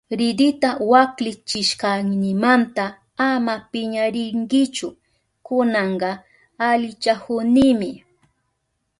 Ridikita waklichishkaynimanta ama piñarinkichu, kunanka alichahunimi.